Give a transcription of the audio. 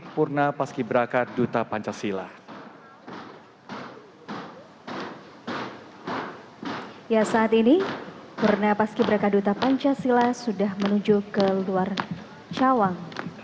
karena paski berkaduta pancasila sudah menuju ke luar cawang